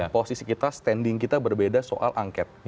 posisi kita standing kita berbeda soal angket